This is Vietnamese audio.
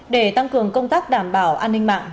để tăng cường công tác đảm bảo an ninh mạng